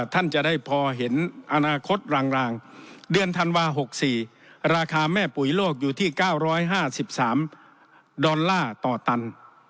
ท่านจะได้พอเห็นอนาคตรางเดือนธันวา๖๔ราคาแม่ปุ๋ยโลกอยู่ที่๙๕๓ดอลลาร์ต่อตัน